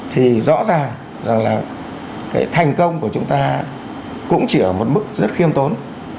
thì rõ ràng rằng là cái thành công của chúng ta cũng chỉ ở một mức rất khiêm tốn